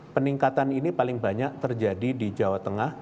peningkatan ini paling banyak terjadi di jawa tengah